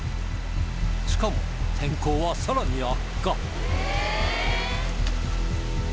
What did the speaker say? しかも天候はさらに悪化